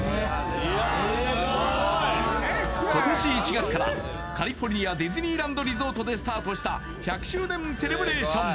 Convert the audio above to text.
今年１月からカリフォルニア・ディズニーランド・リゾートでスタートした１００周年セレブレーション